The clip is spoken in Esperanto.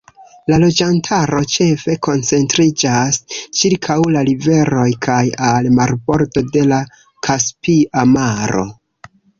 La loĝantaro ĉefe koncentriĝas ĉirkaŭ la riveroj kaj al marbordo de la Kaspia Maro.